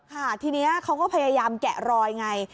ค่ะทีนี้เขาก็พยายามแกะรอยไง